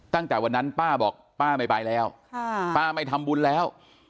ตั้งแต่วันนั้นป้าบอกป้าไม่ไปแล้วป้าไม่ทำบุญแล้ว